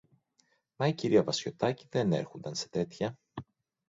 Μα η κυρία Βασιωτάκη δεν έρχουνταν σε τέτοια.